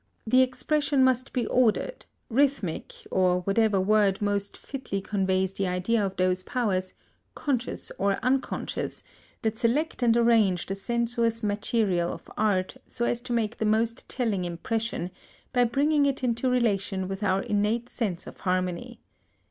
The expression must be ordered, rhythmic, or whatever word most fitly conveys the idea of those powers, conscious or unconscious, that select and arrange the sensuous material of art, so as to make the most telling impression, by bringing it into relation with our innate sense of harmony.